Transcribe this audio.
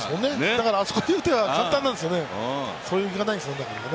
だからあそこに打てば簡単なんですよね。